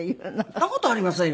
そんな事ありませんよ。